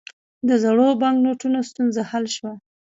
د زړو بانکنوټونو ستونزه حل شوه؟